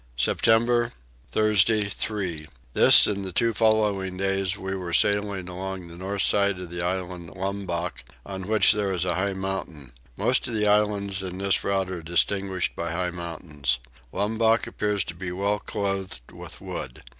September. Thursday 3. This and the two following days we were sailing along the north side of the island Lombok, on which is a high mountain. Most of the islands in this route are distinguished by high mountains. Lombok appears to be well clothed with wood.